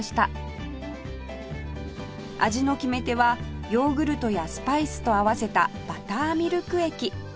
味の決め手はヨーグルトやスパイスと合わせたバターミルク液